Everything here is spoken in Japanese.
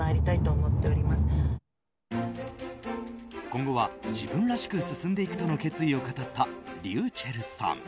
今後は、自分らしく進んでいくとの決意を語ったｒｙｕｃｈｅｌｌさん。